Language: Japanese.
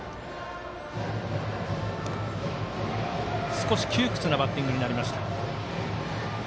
少し窮屈なバッティングになりました。